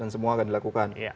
dan semua akan dilakukan